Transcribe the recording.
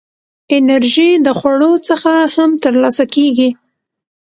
انرژي د خوړو څخه هم ترلاسه کېږي.